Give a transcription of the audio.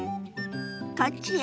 こっちよ。